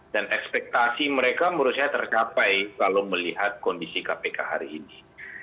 dan ekspektasi mereka menurut saya tercapai kalau melihat kondisi kpk hari ini